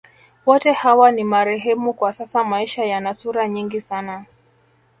Wote hawa ni marehemu kwa sasa Maisha yana sura nyingi sana